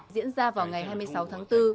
diễn ra vào ngày hai mươi sáu tháng bốn